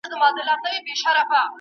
ذهني سکون د خوشحالۍ سرچینه ده.